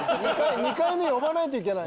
２回目呼ばないといけない。